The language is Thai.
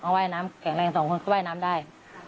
น้องไว้น้ำแก่งแรง๒คนเขาไว้น้ำได้